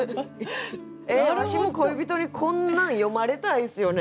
ええわしも恋人にこんなん詠まれたいっすよね。